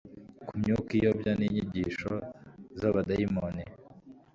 ku myuka iyobya n'inyigisho z'abadayimoni"